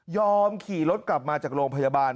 ขี่รถกลับมาจากโรงพยาบาล